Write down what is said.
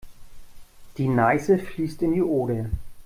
Die Neiße fließt in die Oder.